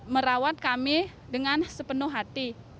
merawat kami dengan sepenuh hati